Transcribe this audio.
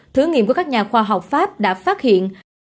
thử nghiệm của các nhà khoa học pháp đã phát hiện